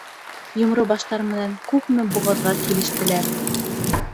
Йомро баштар менән күпме боғаҙға килештеләр.